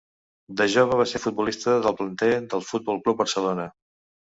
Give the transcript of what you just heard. De jove va ser futbolista del planter del Futbol Club Barcelona.